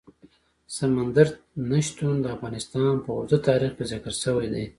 سمندر نه شتون د افغانستان په اوږده تاریخ کې ذکر شوی دی.